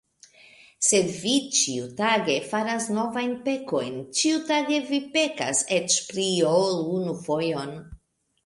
Sed vi ĉiutage faras novajn pekojn, ĉiutage vi pekas eĉ pli ol unu fojon!